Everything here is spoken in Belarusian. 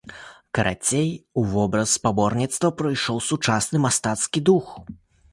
Карацей, у вобраз спаборніцтва прыйшоў сучасны мастацкі дух.